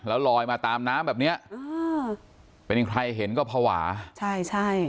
แล้วลอยมาตามน้ำแบบเนี้ยอ่าเป็นใครเห็นก็ภาวะใช่ใช่